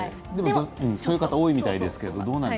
そういう方も多いみたいですね。